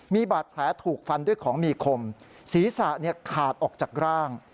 มีบาดแผลถูกฟันด้วยของมีคมศีรษะขาดออกจากร่าง